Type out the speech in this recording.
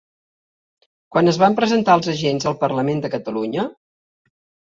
Quan es van presentar els agents al Parlament de Catalunya?